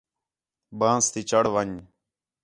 بانس تی چڑھ ون٘ڄ